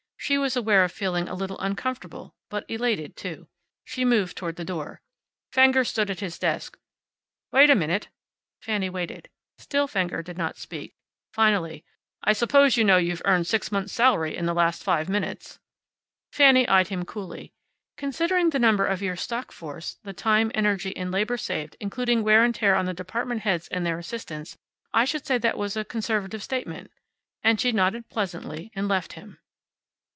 She was aware of feeling a little uncomfortable, but elated, too. She moved toward the door. Fenger stood at his desk. "Wait a minute." Fanny waited. Still Fenger did not speak. Finally, "I suppose you know you've earned six months' salary in the last five minutes." Fanny eyed him coolly. "Considering the number of your stock force, the time, energy, and labor saved, including wear and tear on department heads and their assistants, I should say that was a conservative statement." And she nodded pleasantly, and left him.